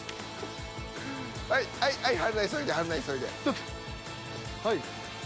はいはい春菜急いで春菜急いで。